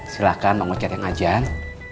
silahkan mau cari yang ajan